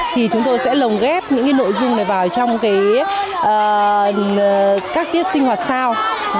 thì chúng tôi sẽ lồng ghép những cái nội dung này vào trong các tiết sinh hoạt sao